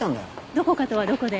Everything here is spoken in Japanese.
どこかとはどこで？